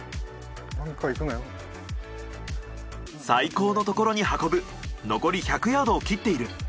最高のところに運ぶ残り１００ヤードを切っている。